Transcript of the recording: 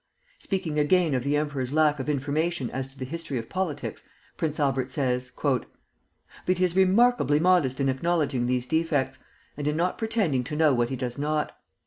Speaking again of the emperor's lack of information as to the history of politics, Prince Albert says: "But he is remarkably modest in acknowledging these defects, and in not pretending to know what he does not.